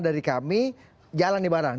dari kami jalan nih barang